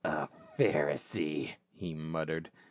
"A Pharisee !" he muttered.